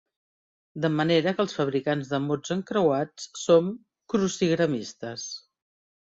De manera que els fabricants de mots encreuats som "crucigramistes".